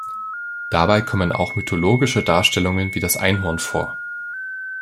Dabei kommen auch mythologische Darstellungen wie das Einhorn vor.